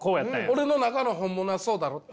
俺の中の本物はそうだろって。